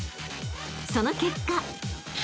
［その結果］